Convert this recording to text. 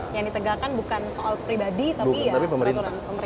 yang ditegakkan bukan soal pribadi tapi ya peraturan pemerintah